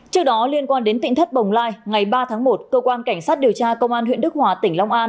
trước đó liên quan đến tỉnh thất bồng lai ngày ba tháng một cơ quan cảnh sát điều tra công an huyện đức hòa tỉnh long an